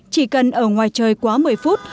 chỉ cần ở ngoài trời quá một mươi phút